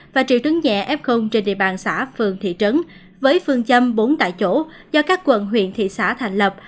và triệu chứng nhẹ f trên địa bàn xã phường thị trấn với phương châm bốn tại chỗ do các quận huyện thị xã thành lập